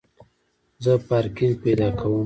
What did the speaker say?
زه پارکینګ پیدا کوم